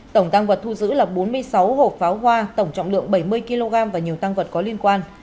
tổng tăng vật thu giữ là bốn mươi sáu hộp pháo hoa tổng trọng lượng bảy mươi kg và nhiều tăng vật có liên quan